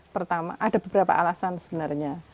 pertama ada beberapa alasan sebenarnya